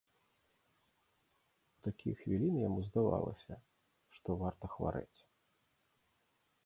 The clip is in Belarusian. У такія хвіліны яму здавалася, што варта хварэць.